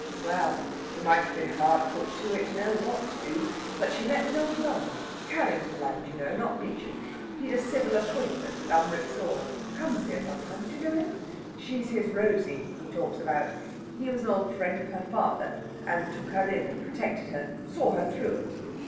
"Well, she might have been hard put to it to know what to do. But she met with old Lund Carrington Lund, you know, not Beauchamp; he'd a civil appointment at Umritsur comes here sometimes. You know him? She's his Rosey he talks about. He was an old friend of her father, and took her in and protected her saw her through it.